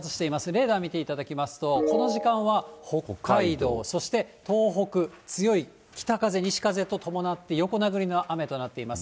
レーダー見ていただきますと、この時間は北海道、そして東北、強い北風、西風を伴って、横殴りの雨となっています。